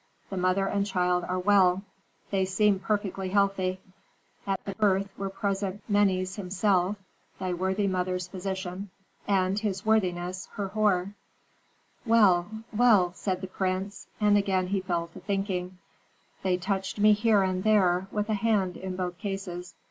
The mother and child are well; they seem perfectly healthy. At the birth were present Menes himself, thy worthy mother's physician, and his worthiness Herhor." "Well well," said the prince, and again he fell to thinking: "They touched me here and there, with a hand in both cases.